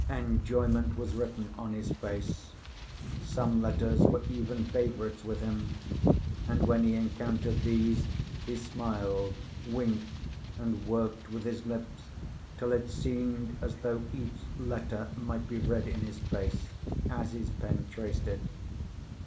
Enjoyment was written on his face: some letters were even favourites with him; and when he encountered these, he smiled, winked, and worked with his lips, till it seemed as though each letter might be read in his face, as his pen traced it.